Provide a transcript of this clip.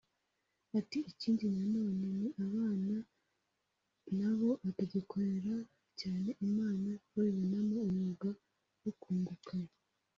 Ati “Ikindi na none ni abana na bo batagikorera cyane Imana babibonamo umwuga wo kunguka